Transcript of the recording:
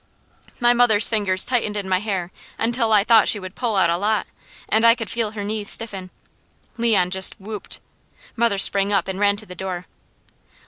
'" My mother's fingers tightened in my hair until I thought she would pull out a lot, and I could feel her knees stiffen. Leon just whooped. Mother sprang up and ran to the door.